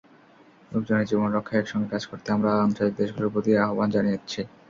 লোকজনের জীবন রক্ষায় একসঙ্গে কাজ করতে আমরা আঞ্চলিক দেশগুলোর প্রতি আহ্বান জানাচ্ছি।